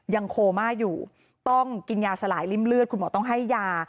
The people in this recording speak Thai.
โคม่าอยู่ต้องกินยาสลายริ่มเลือดคุณหมอต้องให้ยา